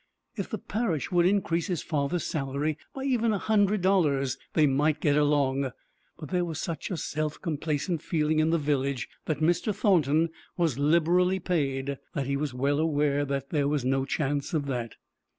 If the parish would increase kis father's salary by even a hundred dollars, they might get along; but there was such a self complacent feeling in the village that Mr. Thornton was liberally paid, that he well knew there was no chance of that.